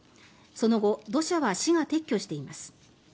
その後、土砂は市が撤去しています。